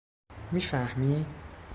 میفهمی؟